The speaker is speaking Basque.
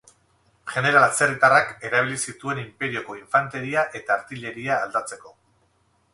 Jeneral atzerritarrak erabili zituen inperioko infanteria eta artilleria aldatzeko.